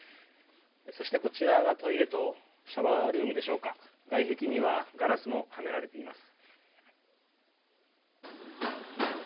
そしてこちらがトイレとシャワールームでしょうか、外壁には、ガラスもはめられています。